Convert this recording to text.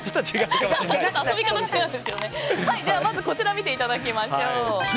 まずこちら見ていただきましょう。